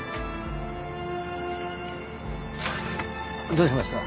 どうしました？